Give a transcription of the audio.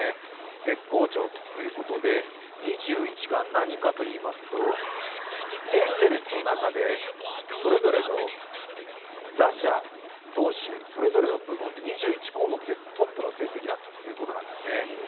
絶好調ということで２１冠、何かといいますとエンゼルスの中で打者・投手、それぞれの項目で２１項目でトップの成績だということなんですね。